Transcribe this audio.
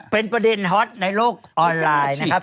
เป็นประเด็นฮอตในโลกออนไลน์นะครับ